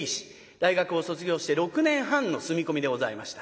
大学を卒業して６年半の住み込みでございました。